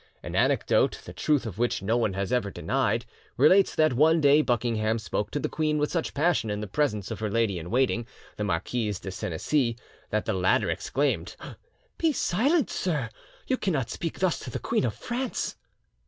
An anecdote, the truth of which no one has ever denied, relates that one day Buckingham spoke to the queen with such passion in the presence of her lady in waiting, the Marquise de Senecey, that the latter exclaimed, "Be silent, sir, you cannot speak thus to the Queen of France!"